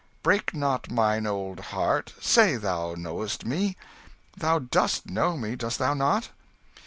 Break not mine old heart; say thou know'st me. Thou dost know me, dost thou not?"